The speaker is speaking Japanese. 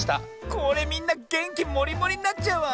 これみんなげんきもりもりになっちゃうわ！